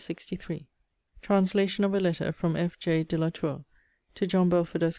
LETTER LXIV TRANSLATION OF A LETTER FROM F.J. DE LA TOUR. TO JOHN BELFORD, ESQ.